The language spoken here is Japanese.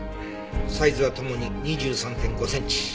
サイズは共に２３．５センチ。